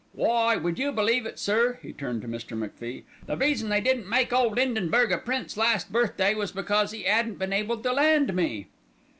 Why, would you believe it, sir," he turned to Mr. MacFie, "the reason they didn't make ole 'Indenburg a prince last birthday was because 'e 'adn't been able to land me.